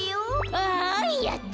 「わいやった。